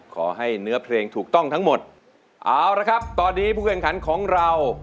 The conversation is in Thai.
ขอให้เนื้อเพลงถูกต้องทั้งหมดเอาละครับตอนนี้ผู้แข่งขันของเรา